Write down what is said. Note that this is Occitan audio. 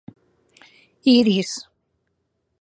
Iris.